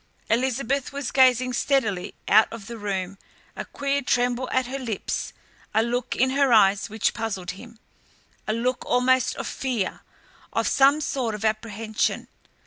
Elizabeth was gazing steadily out of the room, a queer tremble at her lips, a look in her eyes which puzzled him, a look almost of fear, of some sort of apprehension.